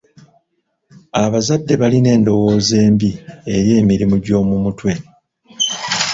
Abazadde balina endowooza embi eri emirimu gy'omu mutwe.